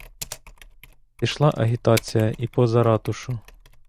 Пішла агітація і поза ратушу.